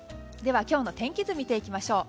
今日の天気図を見ていきましょう。